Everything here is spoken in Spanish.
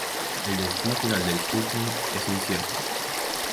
El destino final del Curtain es incierto.